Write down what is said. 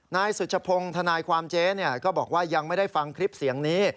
นายสุชพงศ์ทนายความเจ๊ก็บอกว่ายังไม่ได้ฟังคลิปเสียงนี้